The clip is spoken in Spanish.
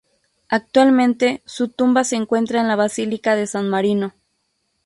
Actualmente su tumba se encuentra en la Basílica de San Marino.